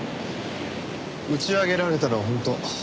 打ち上げられたのは本当。